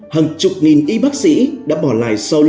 hằng chục nghìn y bác sĩ